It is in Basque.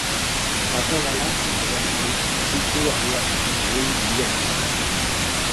Patronalak, bere aldetik, ez ditu adierazpenik egin bilera ostean.